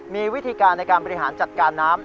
มีวิธีการในการบริหารจัดการน้ำ